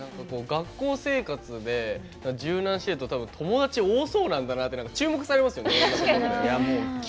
学校生活で柔軟してると友達多そうなんで注目されますよね。